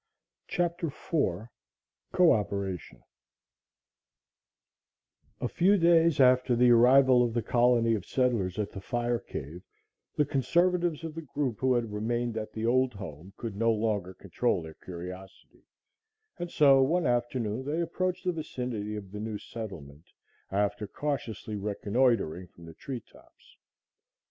CHAPTER IV CO OPERATION A few days after the arrival of the colony of settlers at the fire cave, the conservatives of the group who had remained at the old home could no longer control their curiosity, and so, one afternoon they approached the vicinity of the new settlement, after cautiously reconnoitering from the tree tops.